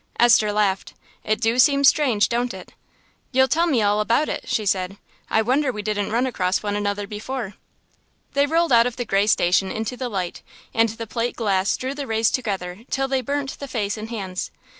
Esther laughed. "It do seem strange, don't it?" "You'll tell me all about it," she said. "I wonder we didn't run across one another before." They rolled out of the grey station into the light, and the plate glass drew the rays together till they burnt the face and hands.